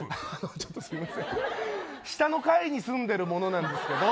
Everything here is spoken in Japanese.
下の階に住んでるものなんですけど。